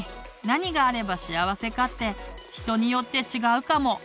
何があれば幸せかって人によって違うかも。